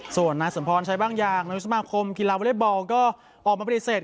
ส่วนนายสมพรใช้บ้างอย่างนายกสมาคมกีฬาวอเล็กบอลก็ออกมาปฏิเสธ